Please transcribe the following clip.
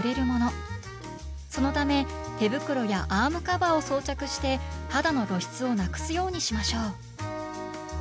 そのため手袋やアームカバーを装着して肌の露出をなくすようにしましょう。